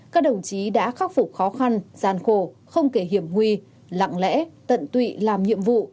các đồng chí đã khắc phục khó khăn gian khổ không kể hiểm nguy lặng lẽ tận tụy làm nhiệm vụ